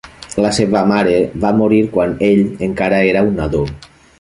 La seva mare va morir quan ell encara era un nadó.